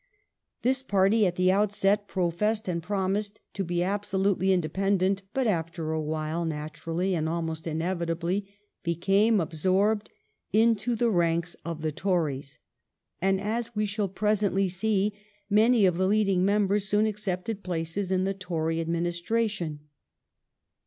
This party at the outset professed and promised to be absolutely independent, but after a while, naturally and almost inevitably, became absorbed into the ranks of the Tories; and, as we shall presently see, many of its leading members soon accepted places in the Tory administration.